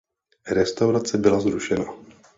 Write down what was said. Restaurace byla zrušena.